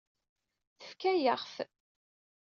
Tefka-yaɣ-t.